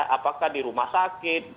apakah di rumah sakit